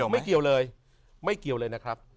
ไม่เกี่ยวเลยไม่เกี่ยวเลยนะครับ